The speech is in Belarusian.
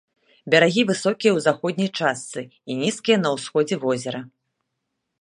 Берагі высокія ў заходняй частцы і нізкія на ўсходзе возера.